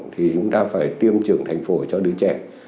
thì chúng ta phải tiêm trưởng thành phổi cho đứa trẻ